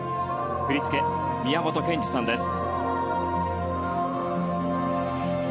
振り付け、宮本賢二さんです。